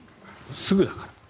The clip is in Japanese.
すぐだから。